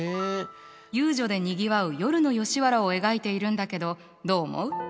遊女でにぎわう夜の吉原を描いているんだけどどう思う？